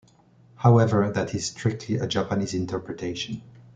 However, that is strictly a Japanese interpretation.